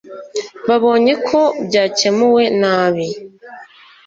babonye ko byakemuwe nabi,